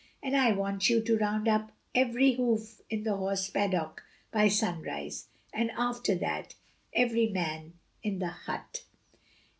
And I want you to round up every hoof in the horse paddock by sunrise, and after that every man in the hut!"